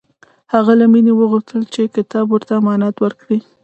هغه له مینې وغوښتل چې کتاب ورته امانت ورکړي